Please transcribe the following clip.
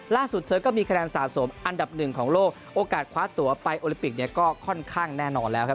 ล่าสุดเธอก็มีคะแนนสะสมอันดับ๑ของโลกโอกาสคว้าตัวไปโอลิมปิกก็ค่อนข้างแน่นอนแล้วครับ